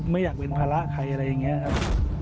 ไม่อยากเป็นภาระใครอะไรอย่างนี้ครับ